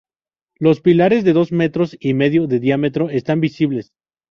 Los pilares de dos metros y medio de diámetro están visibles.